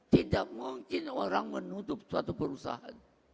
tidak mungkin orang menutup suatu perusahaan